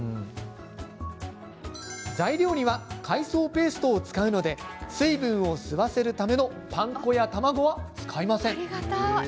材料には海藻ペーストを使うので水分を吸わせるためのパン粉や卵は使いません。